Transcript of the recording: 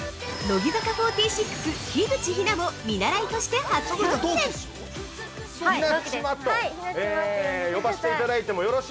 ◆乃木坂４６・樋口日奈も見習いとして初参戦。